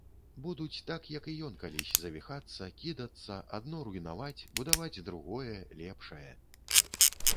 Будуць так, як і ён калісь, завіхацца, кідацца, адно руйнаваць, будаваць другое, лепшае.